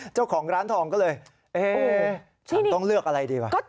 เจ้าของร้านทองก็เลยเอ๊ะฉันต้องเลือกอะไรดีวะ